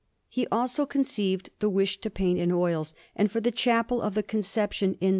He also conceived the wish to paint in oils, and for the Chapel of the Conception in S.